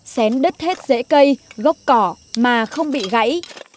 xén đất hết rễ cây gốc cỏ mà không bị gãy